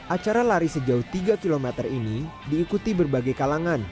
acara lari sejauh tiga km ini diikuti berbagai kalangan